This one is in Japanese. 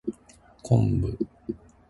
昆布